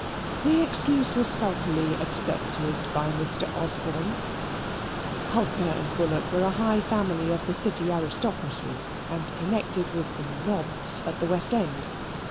The excuse was sulkily accepted by Mr. Osborne. Hulker and Bullock were a high family of the City aristocracy, and connected with the "nobs" at the West End.